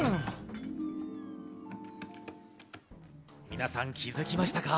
皆さん気づきましたか？